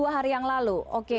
dua hari yang lalu